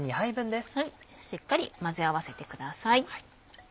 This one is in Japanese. しっかり混ぜ合わせてください。